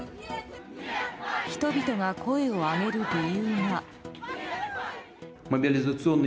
人々が声を上げる理由が。